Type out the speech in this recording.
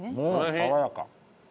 爽やか。